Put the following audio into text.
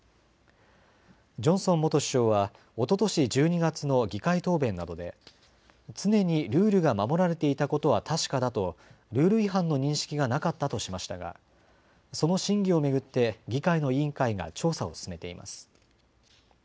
ジョンソン元首相はおととし１２月の議会答弁などで常にルールが守られていたことは確かだとルール違反の認識がなかったとしましたがその真偽を巡って議会の委員会が調査を進めています。